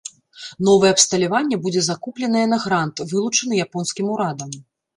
Новае абсталяванне будзе закупленае на грант, вылучаны японскім урадам.